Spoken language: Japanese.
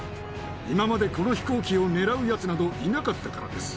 今までこの飛行機を狙うやつなどいなかったからです。